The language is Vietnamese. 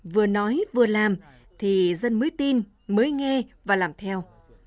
vừa nói vừa làm thì dân mới tin mới nghe và làm theo